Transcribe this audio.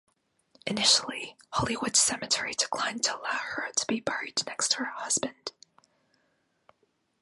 Initially, Hollywood Cemetery declined to allow her to be buried next to her husband.